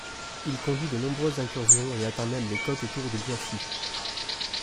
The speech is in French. Il conduit de nombreuses incursions et atteint même les côtes autour de Murcie.